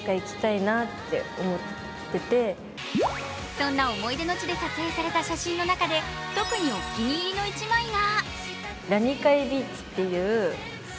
そんな思い出の地で撮影された写真の中で特にお気に入りの一枚が。